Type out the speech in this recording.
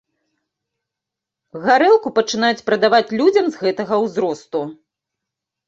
Гарэлку пачынаюць прадаваць людзям з гэтага ўзросту.